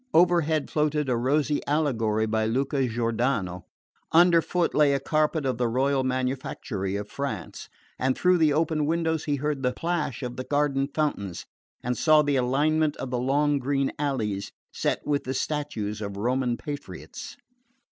Overhead floated a rosy allegory by Luca Giordano; underfoot lay a carpet of the royal manufactory of France; and through the open windows he heard the plash of the garden fountains and saw the alignment of the long green alleys set with the statues of Roman patriots.